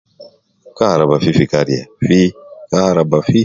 Kaaraba fifi kariya, fi kaaraba